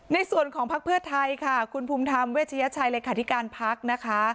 ในส่วนของพักเพื่อไทยค่ะคุณภูมิธรรมเวชยชัยเลขาธิการพักนะคะ